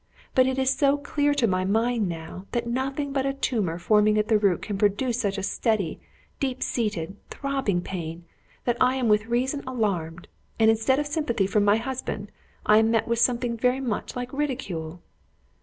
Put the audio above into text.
But it is so clear to my mind now, that nothing but a tumour forming at the root could produce such a steady, deep seated, throbbing pain, that I am with reason alarmed; and, instead of sympathy from my husband I am met with something very much like ridicule."